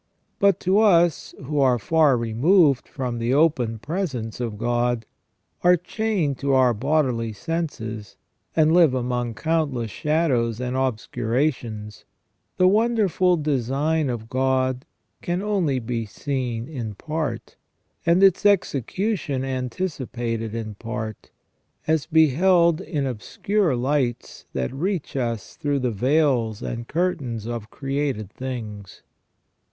But to us who are far removed from the open presence of God, are chained to our bodily senses, and live among countless shadows and obscurations, the wonderful design of God can only be seen in part, and its execution anticipated in part, as beheld in obscure lights that reach us through the veils and curtains of created things.